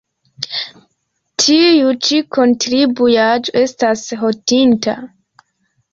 Tiu ĉi kontribuaĵo estas hontinda.